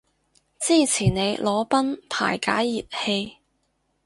支持你裸奔排解熱氣